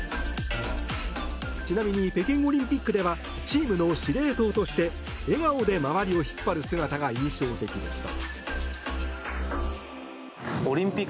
ちなみに北京オリンピックではチームの司令塔として笑顔で周りを引っ張る姿が印象的でした。